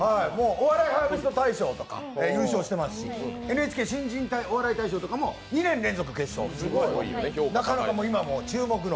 お笑いハーベスト大賞とか優勝していますし、ＮＨＫ新人お笑い大賞とかも２年連続決勝進出。